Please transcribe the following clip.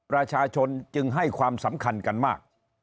ประชาชนจึงให้ความสำคัญกันมาก